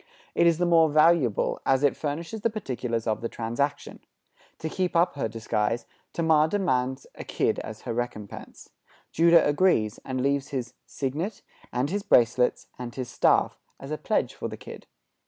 It is the more valuable, as it furnishes the particulars of the transaction. To keep up her disguise, Tamar demands a kid as her recompense. Judah agrees, and leaves his "signet, and his bracelets, and his staff" as a pledge for the kid.